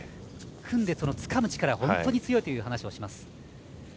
組む力が本当に強いという話をします。